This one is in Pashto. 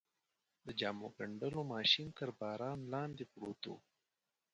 د جامو ګنډلو ماشین تر باران لاندې پروت و.